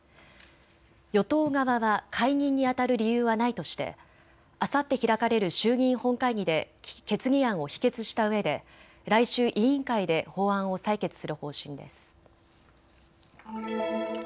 与党側は解任にあたる理由はないとして、あさって開かれる衆議院本会議で決議案を否決したうえで来週、委員会で法案を採決する方針です。